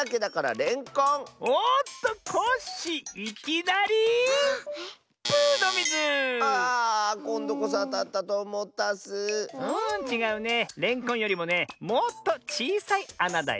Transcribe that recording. れんこんよりもねもっとちいさいあなだよ。